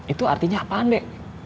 itu artinya apaan dek